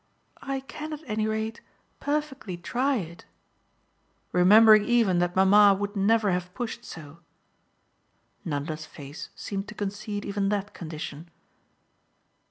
"I can at any rate perfectly try it." "Remembering even that mamma would never have pushed so?" Nanda's face seemed to concede even that condition.